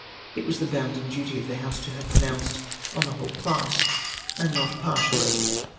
It was the bounden duty of the House to have pronounced on the u hole clas.^^ and not par tially.